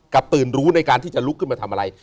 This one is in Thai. ตื่นรู้ในการที่จะลุกขึ้นมาทำอะไร